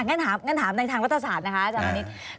อ่ะงั้นถามในทางวัฒนศาสตร์นะคะจังหวัดนี้